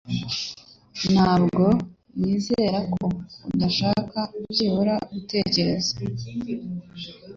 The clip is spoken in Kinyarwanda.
Ntabwo nizera ko udashaka byibura gutekereza